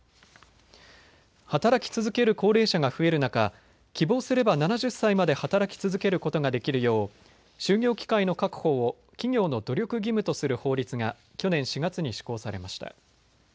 働き続ける高齢者が増える中、希望すれば７０歳まで働き続けることができるよう就業機会の確保を企業の努力義務とする法律が去年４月に施行されました。